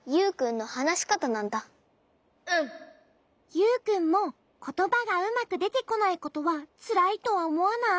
ユウくんもことばがうまくでてこないことはつらいとはおもわない？